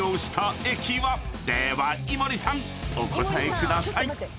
［では井森さんお答えください］